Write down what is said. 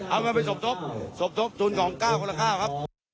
เอาเงินไปสมทบสมทบทุนของ๙คนละ๙ครับ